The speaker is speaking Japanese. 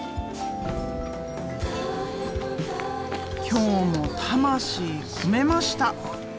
今日も魂込めました。